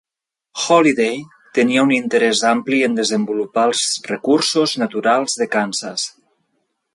Holliday tenia un interès ampli en desenvolupar els recursos naturals de Kansas.